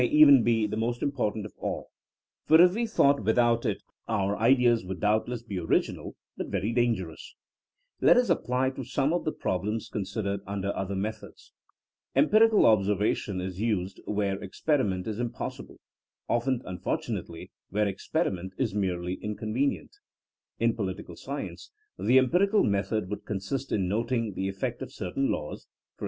We Think, 34 THINEINO AS A SCIENCE be the most important of all, for if we thought without it our ideas would doubtless be orig inal, but very dangerous. Let us apply it to some of the problems considered undeir other methods. Empirical observation is used where experi ment is impossible — often, unfortunately, where experiment is merely inconvenient. In political science the empirical method would consist in noting the effect of certain laws, — e.